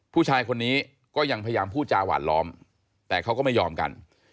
ผู้ชายคนนี้ก็ยังพยายามพูดจาหวานล้อมแต่เขาก็ไม่ยอมกัน